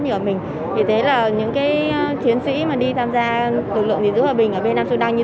như ở mình vì thế là những cái chiến sĩ mà đi tham gia lực lượng gìn giữ hòa bình ở bên nam sudan như